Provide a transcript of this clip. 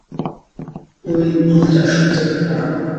ওই মুভিটা সবথেকে খারাপ!